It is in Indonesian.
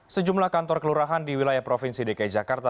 sejumlah kantor kelurahan di wilayah provinsi dki jakarta